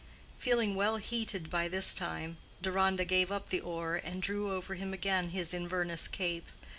Feeling well heated by this time, Deronda gave up the oar and drew over him again his Inverness cape.